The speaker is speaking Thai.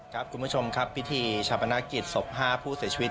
คุณผู้ชมครับพิธีชาปนกิจศพ๕ผู้เสียชีวิต